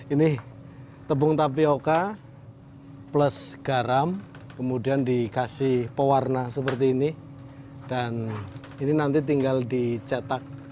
ini tepung tapioca plus garam kemudian dikasih pewarna seperti ini dan ini nanti tinggal dicetak